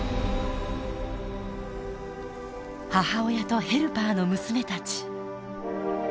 母親とヘルパーの娘たち。